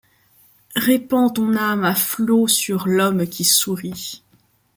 Répands ton âme à flots sur l'homme qui sourit